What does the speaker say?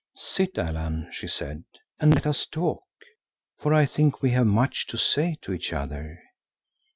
"Sit, Allan," she said, "and let us talk, for I think we have much to say to each other.